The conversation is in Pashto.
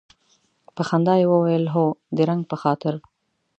په خندا یې وویل هو د رنګ په خاطر.